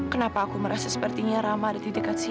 kenapa aku merasa sepertinya rama ada di dekat sini